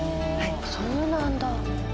そうなんだ。